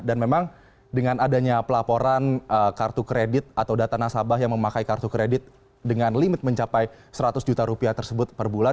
dan memang dengan adanya pelaporan kartu kredit atau data nasabah yang memakai kartu kredit dengan limit mencapai seratus juta rupiah tersebut per bulan